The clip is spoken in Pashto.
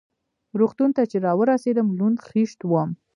روغتون ته چې را ورسېدم لوند خېشت وم.